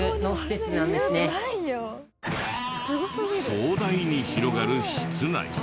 壮大に広がる室内。